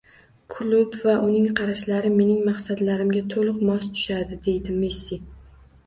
“Klub va uning qarashlari mening maqsadlarimga to‘liq mos tushadi”, — deydi Messi